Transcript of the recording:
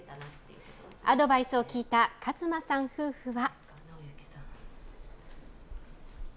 アドバイスを聞いた勝間さん夫婦は。